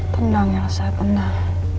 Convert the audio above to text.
tendang elsa benar